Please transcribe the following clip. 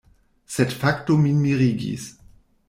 Sed fakto min mirigis.